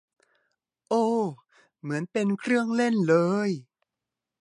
โอ้ เหมือนเป็นเครื่องเล่นเลย